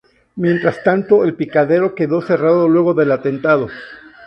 Mientras tanto, El Picadero quedó cerrado luego del atentado.